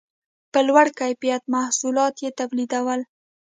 په لوړ کیفیت محصولات یې تولیدول